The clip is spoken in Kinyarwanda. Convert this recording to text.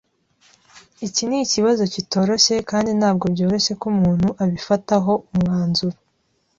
Iki nikibazo kitoroshye, kandi ntabwo byoroshye ko umuntu abifataho umwanzuro.